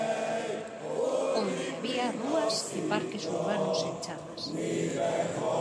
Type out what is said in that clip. Onde había rúas e parques urbanos en chamas.